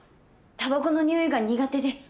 たばこのにおいが苦手で。